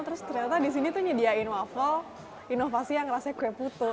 terus ternyata di sini tuh nyediain waffle inovasi yang rasanya kue putu